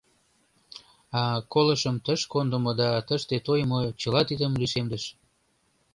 А колышым тыш кондымо да тыште тойымо чыла тидым лишемдыш.